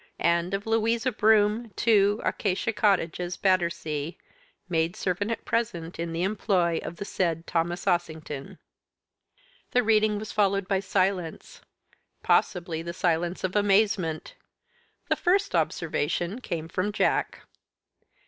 And of Louisa Broome, 2, Acacia Cottages, Battersea (Maid servant at present in the employ of the said Thomas Ossington)." The reading was followed by silence, possibly the silence of amazement. The first observation came from Jack.